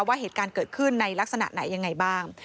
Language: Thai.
ว่าเหตุการณ์เกิดขึ้นในลักษณะไหนยังไงบ้าง